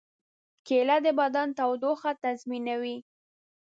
کېله د بدن تودوخه تنظیموي.